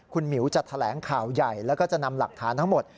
คุณหมิวจะแถลงข่าวใหญ่แล้วก็จะนำหลักฐานทั้งหมด